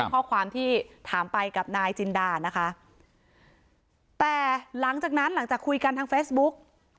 ข้อความที่ถามไปกับนายจินดานะคะแต่หลังจากนั้นหลังจากคุยกันทางเฟซบุ๊ก